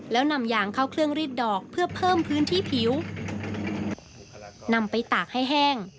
แล้วนำยางเข้าเครื่องรีดดอกเพื่อเพิ่มพื้นที่ผิวนำไปตากให้แห้ง